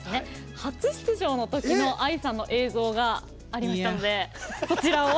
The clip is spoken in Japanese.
初出場のときのＡＩさんの映像がありましたのでそちらを。